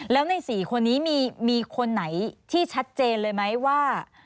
แล้วใน๔คนนี้มีคนไหนที่ชัดเจนเลยไหมว่า